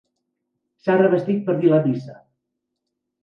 S'ha revestit per dir la missa.